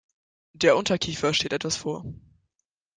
Der Unterkiefer steht etwas vor.